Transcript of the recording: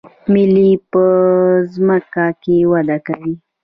ملی په ځمکه کې وده کوي